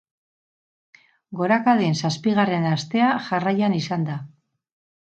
Gorakaden zazpigarren astea jarraian izan da.